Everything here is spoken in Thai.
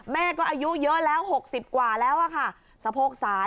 แม่ก็อายุเยอะแล้ว๖๐กว่าแล้วค่ะ